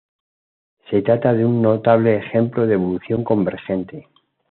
Se trata de un notable ejemplo de evolución convergente.